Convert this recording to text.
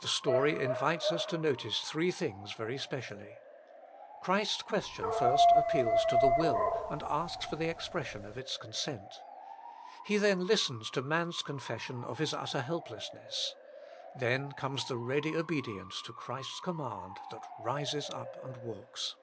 The story invites us to notice three things very specially. Christ s question first appeals to the will, and asks for the expression of its consent. He then listens to man s confession of his utter helplessness. Then comes the ready obedience to Christ s command, that rises up and walks.